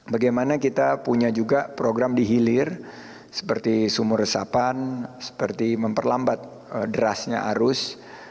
bagaimana kita punya juga program di hilir seperti sumur resapan seperti memperlambat derasnya arus